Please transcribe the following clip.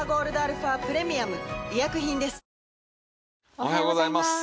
おはようございます。